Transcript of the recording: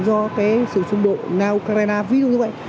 do cái sự xung đột nga ukraine ví dụ như vậy